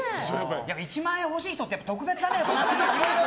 １万円欲しい人って特別だね、やっぱり。